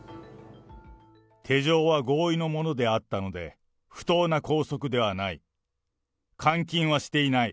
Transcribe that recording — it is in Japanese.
手錠は合意のものであったので、不当な拘束ではない。